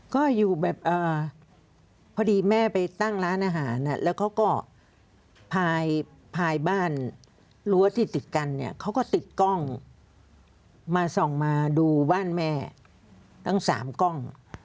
ก็อยู่แบบพอดีแม่ไปตั้งร้านอาหารแล้วเขาก็พายบ้านรั้วที่ติดกันเนี่ยเขาก็ติดกล้องมาส่องมาดูบ้านแม่ตั้ง๓กล้อง